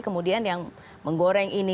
kemudian yang menggoreng ini